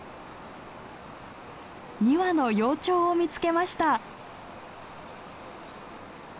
２羽の幼鳥を見つけました。